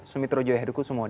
sumitro joya hedukusumo